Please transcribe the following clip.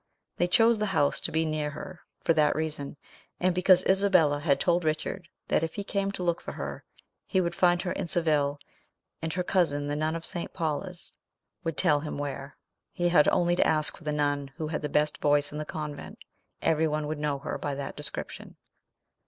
They chose the house to be near her for that reason, and because Isabella had told Richard that if he came to look for her he would find her in Seville, and her cousin, the nun of St. Paula's, would tell him where: he had only to ask for the nun who had the best voice in the convent; every one would know her by that description.